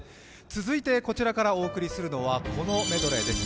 続いて、こちらからお送りするのはこのメドレーです。